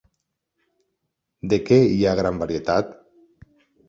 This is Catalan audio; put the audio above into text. De què hi ha gran varietat?